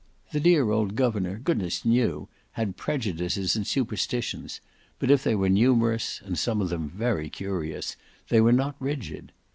The dear old governor, goodness knew, had prejudices and superstitions, but if they were numerous, and some of them very curious, they were not rigid.